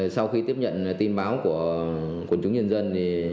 sau khi tiếp nhận tin báo của quần chúng nhân dân